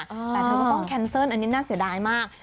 แต่เธอก็ต้องแคนเซิลอันนี้น่าเสียดายมาก